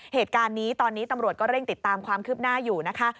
เหตุการณ์นี้ตอนนี้ตำรวจก็เร่งติดตามความคืบหน้าอยู่นะคะ